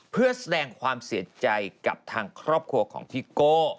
เพื่อแสดงความเสียใจกับทางครอบครัวของพี่โก้